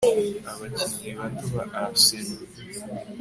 Abakinnyi bato ba Arsenal